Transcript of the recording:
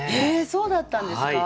そうだったんですか？